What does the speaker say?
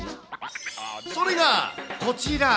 それがこちら。